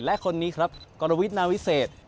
และคนนี้ครับกรวิทนาวิเศษ